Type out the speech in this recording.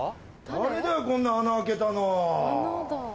誰だよこんな穴開けたの。